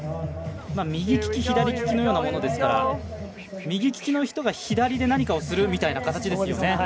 右利き左利きのようなものですから右利きの人が左で何かをする形ですよね。